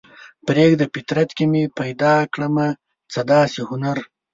پریږده فطرت کې مې پیدا کړمه څه داسې هنر